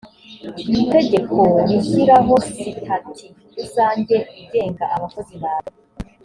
itegekoo rishyiraho sitati rusange igenga abakozi ba leta